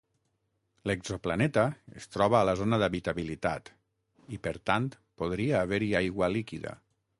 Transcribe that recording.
L'exoplaneta es troba a la zona d'habitabilitat i, per tant, podria haver-hi aigua líquida.